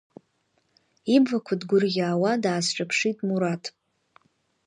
Иблақуа ҭгурӷьаауа даасҿаԥшит Мураҭ.